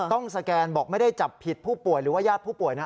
สแกนบอกไม่ได้จับผิดผู้ป่วยหรือว่าญาติผู้ป่วยนะ